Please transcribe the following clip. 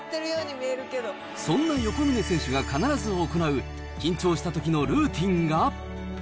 そんな横峯選手が必ず行う、緊張したときのルーティンが。